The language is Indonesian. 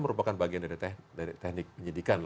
merupakan bagian dari teknik penyidikan